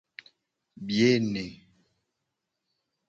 Biye ne.